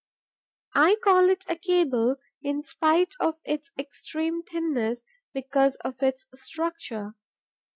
I call it a cable, in spite of its extreme thinness, because of its structure.